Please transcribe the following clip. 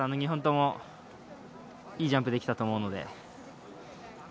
２本ともいいジャンプできたと思うので。